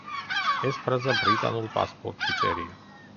ეს ფრაზა ბრიტანულ პასპორტში წერია.